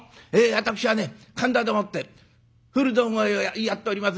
私はね神田でもって古道具屋をやっております